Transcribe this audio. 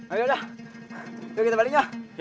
aduh yuk kita baliknya